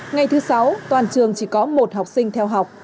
ngày thứ sáu toàn trường chỉ có một học sinh theo học